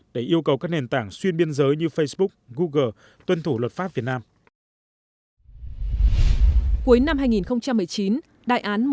để yêu cầu các nền tảng xuyên biên giới như facebook google tuân thủ luật pháp việt nam